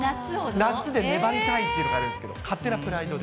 夏で粘りたいっていうのがあるんですけど、勝手なプライドで。